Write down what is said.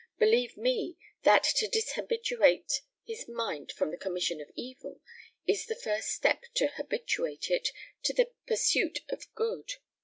Believe me, that to dishabituate his mind from the commission of evil, is the first step to habituate it to the pursuit of good.